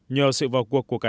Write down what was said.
nhờ sự vào cuộc cuộc khám